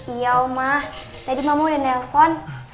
iya oma tadi mama udah nelfon